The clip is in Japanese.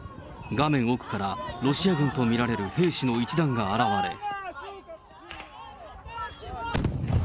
画面奥からロシア軍と見られる兵士の一団が現れ。